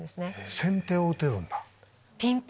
先手を打てるんだ。